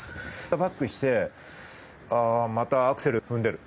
バックしてまたアクセルを踏んでる。